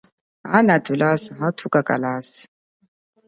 Ana thulasa hathuka kukalasa.